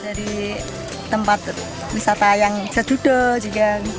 dari tempat wisata yang sejudo juga